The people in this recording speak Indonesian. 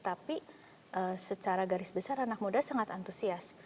tapi secara garis besar anak muda sangat antusias